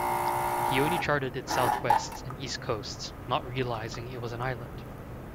He only charted its southwest and east coasts, not realizing it was an island.